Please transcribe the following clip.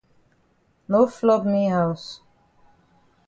No flop me haus.